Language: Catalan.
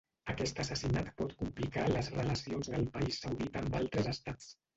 Aquest assassinat pot complicar les relacions del país saudita amb altres estats.